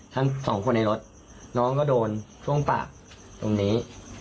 ทั้งสองคนในรถน้องก็โดนช่วงปากตรงนี้